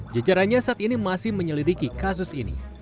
jajarannya saat ini masih menyelidiki kasus ini